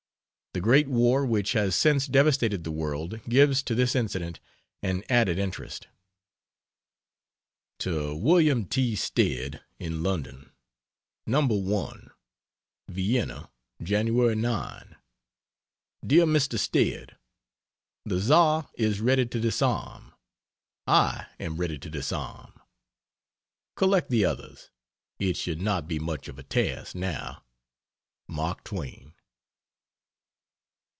The great war which has since devastated the world gives to this incident an added interest. To Wm. T. Stead, in London: No. 1. VIENNA, Jan. 9. DEAR MR. STEAD, The Czar is ready to disarm: I am ready to disarm. Collect the others, it should not be much of a task now. MARK TWAIN.